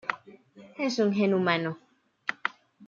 Es un gen humano.